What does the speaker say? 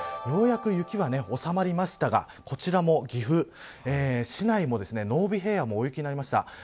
ようやく雪はおさまりましたがこちらの岐阜市内も濃尾平野も大雪になりました。